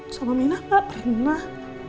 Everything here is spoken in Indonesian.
sama minah pak minah